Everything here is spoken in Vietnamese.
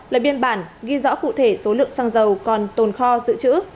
lời biên bản ghi rõ cụ thể số lượng xăng dầu còn tồn kho sự chữ